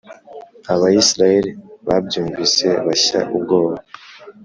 Abisirayeli babyumvise bashya ubwoba